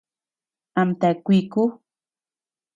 Amtea kuiku.